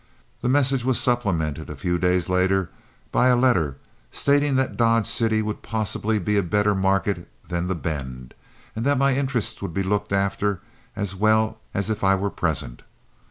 The message was supplemented a few days later by a letter, stating that Dodge City would possibly be a better market than the Bend, and that my interests would be looked after as well as if I were present.